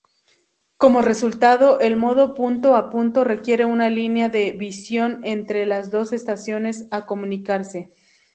Como resultado, el modo punto-a-punto requiere una línea-de-visión entre las dos estaciones a comunicarse.